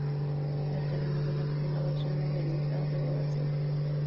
La telenovela fue una versión modernizada de "Bodas de odio".